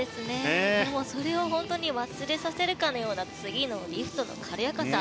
それを忘れさせるかのような次のリフトの軽やかさ。